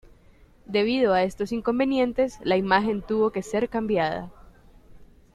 Debido a estos inconvenientes, la imagen tuvo que ser cambiada.